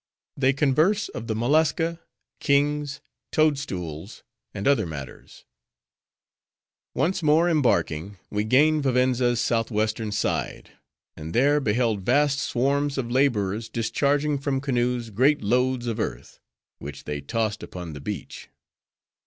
They Converse Of The Mollusca, Kings, Toad Stools And Other Matters Once more embarking, we gained Vivenza's southwestern side and there, beheld vast swarms of laborers discharging from canoes, great loads of earth; which they tossed upon the beach.